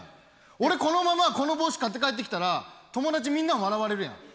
俺このままこの帽子買って帰ってきたら友達みんなに笑われるやん。